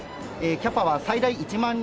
キャパは最大１万人。